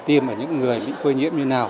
tiêm ở những người bị khôi nhiễm như nào